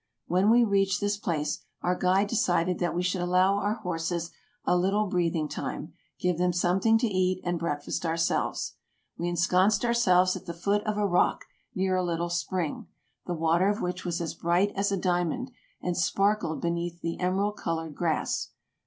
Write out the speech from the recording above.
When we reached this place, our guide decided that we should allow our horses a little breathing time, give them something to eat, and break fast ourselves. We ensconced ourselves at the foot of a rock, near a little spring, the water of which was as bright as a diamond, and sparkled beneath the emerald colored grass.